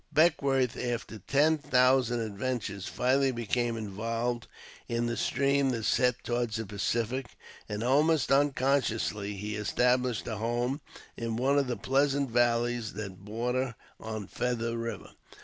Beckwourth, after ten thousand adventures, finally became involved in the stream that set toward the Pacific, and, almost unconsciously, he established a home in one of the pleasant valleys that border on Feather Eiver.